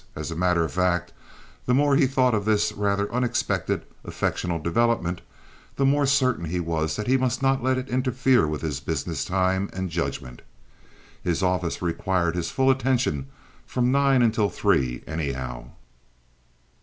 As a matter of fact, the more he thought of this rather unexpected affectional development, the more certain he was that he must not let it interfere with his business time and judgment. His office required his full attention from nine until three, anyhow.